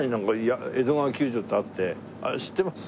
知ってます？